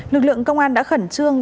lực lượng công an đã khẩn trương